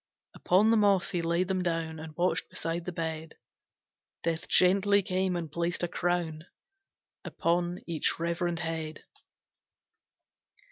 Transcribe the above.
Upon the moss he laid them down, And watched beside the bed; Death gently came and placed a crown Upon each reverend head.